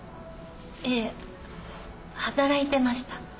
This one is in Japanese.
ええ働いてました。